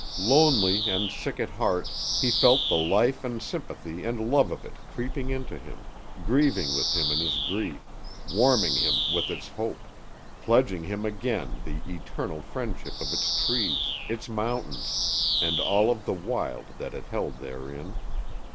Lonely and sick at heart, he felt the life and sympathy and love of it creeping into him, grieving with him in his grief, warming him with its hope, pledging him again the eternal friendship of its trees, its mountains, and all of the wild that it held therein.